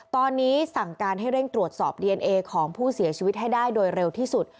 ตอนนี้สั่งการให้เร่งตรวจสอบดีเอนเอของผู้เสียชีวิตให้ได้โดยเร็วที่สุด